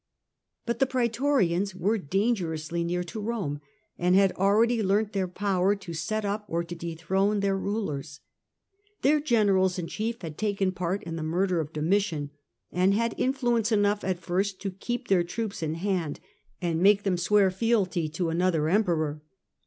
But the prietorians were dangerously near to Rome, and had already learnt their power to set up or to dethrone their rulers. Their generals in chief had taken part in the murder of Domitian, and had influence enough at first to keep their troops in hand, and make The riotous them swear fealty to another Emperoi.